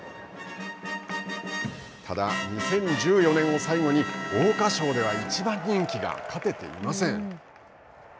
ただ、２０１４年を最後に桜花賞では一番人気が勝てていません。